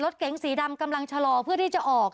รถเก๋งสีดำกำลังชะลอเพื่อที่จะออก